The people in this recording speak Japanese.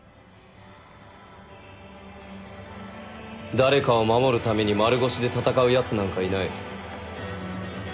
誰かを守る為に丸腰で闘う奴なんかいない。